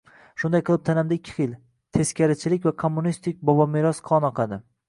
Shunday qilib, tanimda ikki xil: teskarichilik va kommunistik bobomeros qon oqadi!